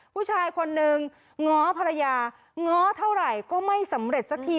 ผู้ชายคนนึงง้อภรรยาง้อเท่าไหร่ก็ไม่สำเร็จสักที